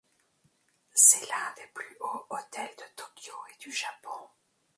C'est l'un des plus hauts hôtels de Tokyo et du Japon.